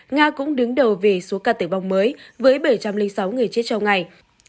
nga cũng đứng đầu về số ca tử vong mới với bảy trăm linh sáu người chết trong ngày